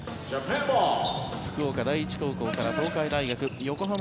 福岡第一高校から東海大学横浜